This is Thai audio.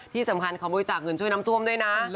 ที่สำคัญความบุญจากเงินช่วยน้ำต้มด้วยนะ